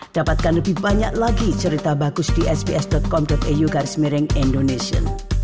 dapatkan lebih banyak lagi cerita bagus di sps com eu garis miring indonesia